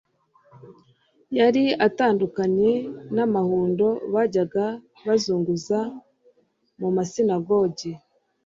Yari atandukanye n'amahundo bajyaga bazunguza mu masinagogi,